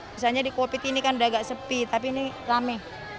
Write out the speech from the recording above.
misalnya di covid ini kan udah agak sepi tapi ini rame